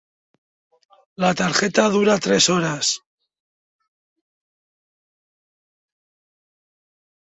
La tarjeta dura tres horas.